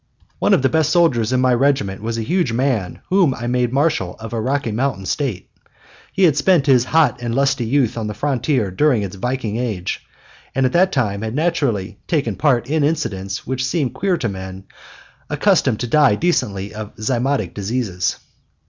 One of the best soldiers of my regiment was a huge man whom I made marshal of a Rocky Mountain State. He had spent his hot and lusty youth on the frontier during its viking age, and at that time had naturally taken part in incidents which seemed queer to men "accustomed to die decently of zymotic diseases."